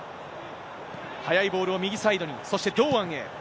速いボールを右サイドに、そして堂安へ。